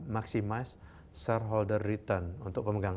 maximize shareholder return untuk pemegang